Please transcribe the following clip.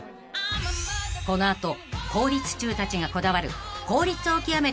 ［この後効率厨たちがこだわる］